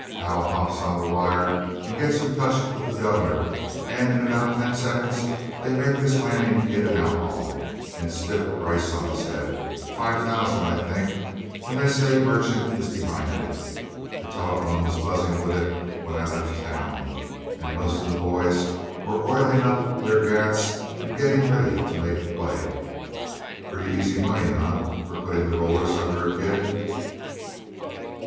Hal hops on the wire and gets in touch with the governor, and in about ten seconds they make this Lanning kid an outlaw and stick a price on his head five thousand, I think, and they say Merchant is behind it. The telephone was buzzing with it when I left town, and most of the boys were oiling up their gats and getting ready to make a play. Pretty easy money, eh, for putting the rollers under a kid?"